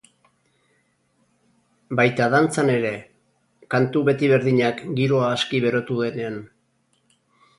Baita dantzan ere, kantu betiberdinak giroa aski berotu duenean.